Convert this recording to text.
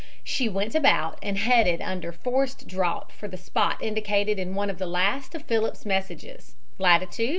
She went about and headed under forced draught for the spot indicated in one of the last of Phillips' messages latitude 41.